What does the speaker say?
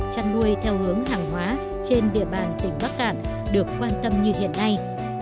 chăn nuôi theo hướng hàng hóa trên địa bàn tỉnh bắc cạn được quan tâm như hiện nay